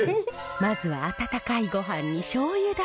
まずは温かいごはんにしょうゆだけ。